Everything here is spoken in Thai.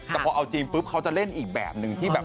แต่พอเอาจีนปุ๊บเขาจะเล่นอีกแบบนึงที่แบบ